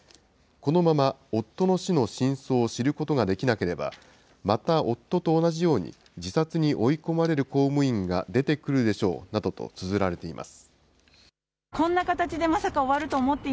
このまま夫の死の真相を知ることができなければ、また夫と同じように、自殺に追い込まれる公務員が出てくるでしょうなどとつづられています。